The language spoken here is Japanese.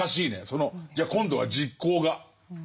そのじゃあ今度は実行が。